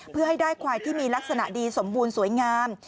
เพื่อให้ได้ควายที่มีลักษณะดีสมบูรณ์สวยงาม